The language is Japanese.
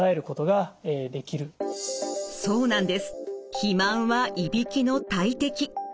肥満はいびきの大敵！